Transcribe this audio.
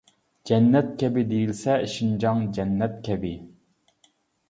جەننەت كەبى دېيىلسە، شىنجاڭ جەننەت كەبى.